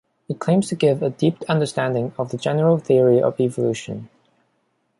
It claims to give a deep understanding of the general theory of evolution.